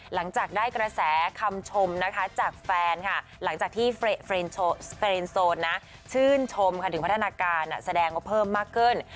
หลังจากได้กระแสคำชมนะคะจากแฟนค่ะหลังจากที่สเฟรนโซนชื่นชมค่ะถึงพัฒนาการแสดงว่าเพิ่มมากขึ้น